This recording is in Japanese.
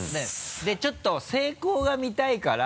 でちょっと成功が見たいから。